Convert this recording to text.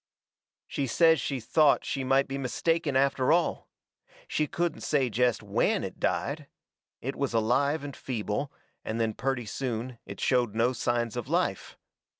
She says she thought she might be mistaken after all. She couldn't say jest WHEN it died. It was alive and feeble, and then purty soon it showed no signs of life.